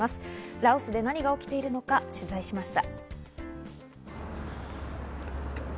羅臼で何が起きているのか取材しました。